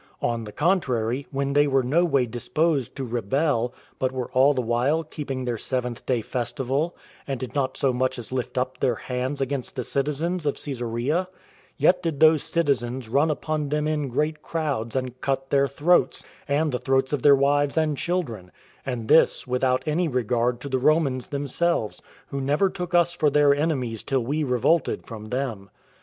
On the contrary, when they were no way disposed to rebel, but were all the while keeping their seventh day festival, and did not so much as lift up their hands against the citizens of Cesarea, yet did those citizens run upon them in great crowds, and cut their throats, and the throats of their wives and children, and this without any regard to the Romans themselves, who never took us for their enemies till we revolted from them.